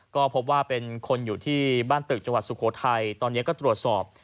ก็พบว่าเป็นคนอยู่ที่บ้านตึกจังหวัดสุโขทัยตอนนี้ก็ตรวจสอบ